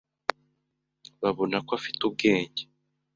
Babona ko afite ubwenge.